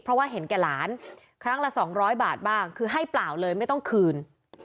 เพราะว่าเห็นแก่หลานครั้งละ๒๐๐บาทบ้างคือให้เปล่าเลยไม่ต้องคืน